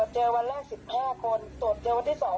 เจอวันแรก๑๕คนตรวจเจอวันที่๒๕๗คน